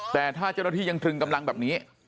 แต่ถ้าเจ้าหน้าที่ยังตรึงกำลังแบบนี้